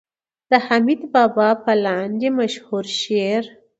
د حميد بابا په لاندې مشهور شعر